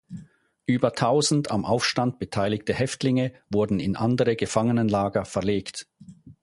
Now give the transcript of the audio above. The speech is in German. Über tausend am Aufstand beteiligte Häftlinge wurden in andere Gefangenenlager verlegt.